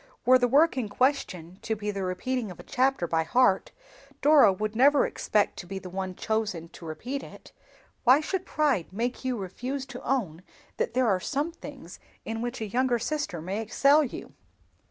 Were the work in question to be the repeating of a chapter by heart, Dora would never expect to be the one chosen to repeat it. Why should pride make you refuse to own that there are some things in which a younger sister may excel you?"